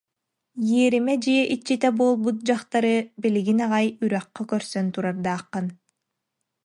иэримэ дьиэ иччитэ буолбут дьахтары билигин аҕай үрэххэ көрсөн турардааххын